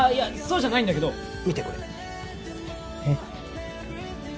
そうじゃないんだけど見てこれ・えっ？